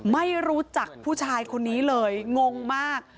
ไม่รู้จักผู้ชายคนนี้เลยงงมาก